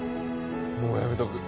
もうやめとく。